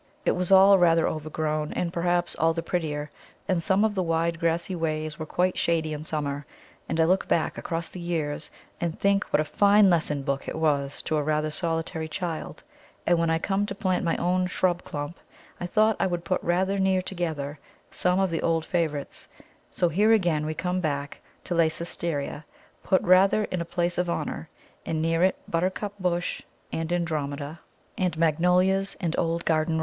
It was all rather overgrown, and perhaps all the prettier, and some of the wide grassy ways were quite shady in summer. And I look back across the years and think what a fine lesson book it was to a rather solitary child; and when I came to plant my own shrub clump I thought I would put rather near together some of the old favourites, so here again we come back to Leycesteria, put rather in a place of honour, and near it Buttercup bush and Andromeda and Magnolias and old garden Roses.